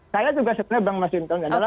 saya juga sebenarnya bang mas hinton ya